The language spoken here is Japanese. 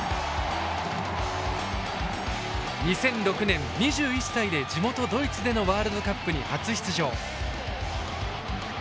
２００６年２１歳で地元ドイツでのワールドカップに初出場。